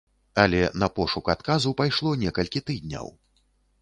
Але на пошук адказу пайшло некалькі тыдняў.